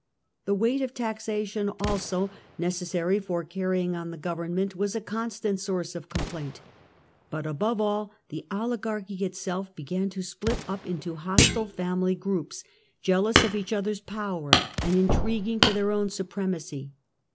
The weight of taxation also, necessary for carrying on the government, was a constant source of complaint ; but above all the oligarchy itself began to split up into hostile family groups, jealous of each other's power, and intriguing for Rivalry be their own supremacy.